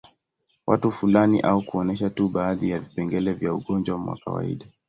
Watu fulani au kuonyesha tu baadhi ya vipengele vya ugonjwa wa kawaida